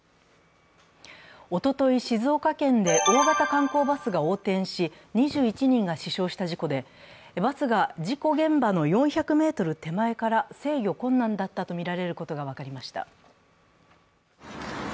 おととい、静岡県で大型観光バスが横転し、２１人が死傷した事故でバスが事故現場の４００ｍ手前から制御困難だったとみられることが分かりました。